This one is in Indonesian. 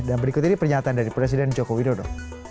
dan berikut ini pernyataan dari presiden joko widodo